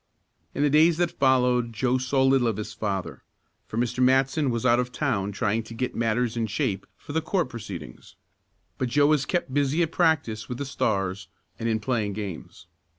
In the days that followed Joe saw little of his father, for Mr. Matson was out of town trying to get matters in shape for the court proceedings. But Joe was kept busy at practice with the Stars, and in playing games.